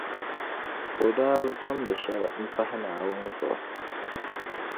O daa bi jεmdi shɛli m-pahi Naawuni zuɣu.